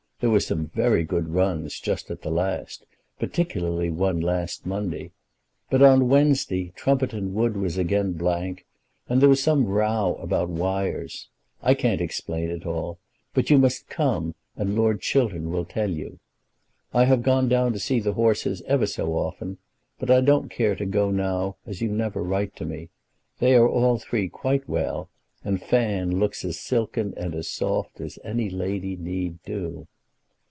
There were some very good runs just at last; particularly one on last Monday. But on Wednesday Trumpeton Wood was again blank, and there was some row about wires. I can't explain it all; but you must come, and Lord Chiltern will tell you. I have gone down to see the horses ever so often; but I don't care to go now as you never write to me. They are all three quite well, and Fan looks as silken and as soft as any lady need do.